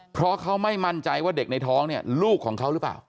เพราะเขาไม่มั่นใจว่าเด็กในท้องเนี่ยลูกของเขาหรือเปล่า